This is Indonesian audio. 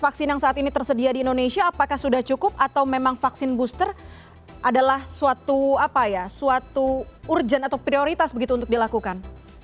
vaksin yang saat ini tersedia di indonesia apakah sudah cukup atau memang vaksin booster adalah suatu urgent atau prioritas begitu untuk dilakukan